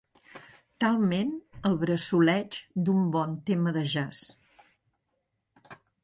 Talment el bressoleig d'un bon tema de jazz.